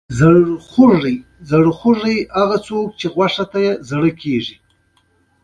له سیند سره په څنګ کي ډبرین دیوال جوړ وو.